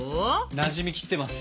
なじみきってます。